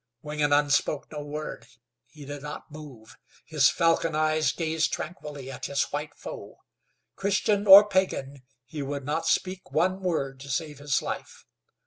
Wingenund spoke no word. He did not move. His falcon eyes gazed tranquilly at his white foe. Christian or pagan, he would not speak one word to save his life.